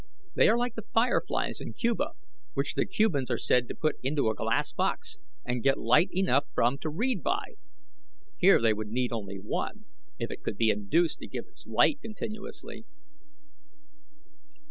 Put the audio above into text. They are like the fire flies in Cuba, which the Cubans are said to put into a glass box and get light enough from to read by. Here they would need only one, if it could be induced to give its light continuously."